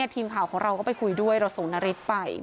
ทีมข่าวของเราก็ไปคุยด้วยเราส่งนาริสไป